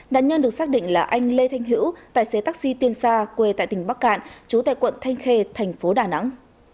đàn nhân được xác định là anh lê thanh hữu tài xế taxi tiên xa quê tại tỉnh bắc cạn chú tại quận thanh khê tp đà nẵng